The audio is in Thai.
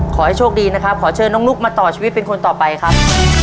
ขอให้โชคดีนะครับขอเชิญน้องนุ๊กมาต่อชีวิตเป็นคนต่อไปครับ